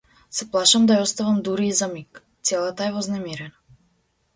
Се плашам да ја оставам дури и за миг, целата е вознемирена.